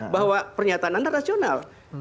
bahwa pernyataan anda rasional